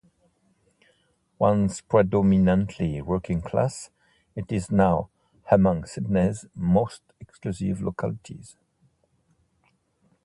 Once predominantly working-class, it is now among Sydney's most exclusive localities.